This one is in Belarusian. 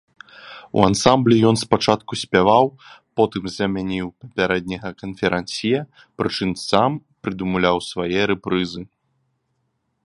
У ансамблі ён спачатку спяваў, потым замяніў папярэдняга канферансье, прычым сам прыдумляў свае рэпрызы.